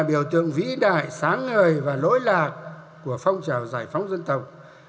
là biểu tượng vĩ đại sáng ngời và lỗi lạc của phong trào giải phóng dân tộc việt nam